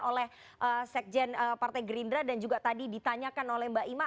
oleh sekjen partai gerindra dan juga tadi ditanyakan oleh mbak imam